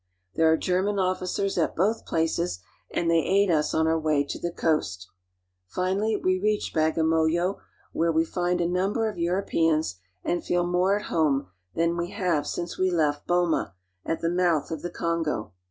There are German officers at both places, and they aid us on our way to the coast. Finally we reach Bagamoyo, where we find a number of Europeans, and feel more at home than , we have since we left Boma, at the mouth of the Kongo.